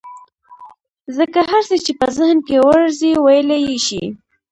ځکه هر څه چې په ذهن کې ورځي ويلى يې شي.